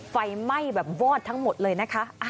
ไฟไหม้แบบวอดทั้งหมดเลยนะคะ